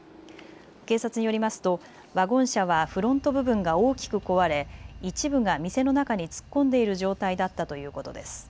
警察によりますとワゴン車はフロント部分が大きく壊れ一部が店の中に突っ込んでいる状態だったということです。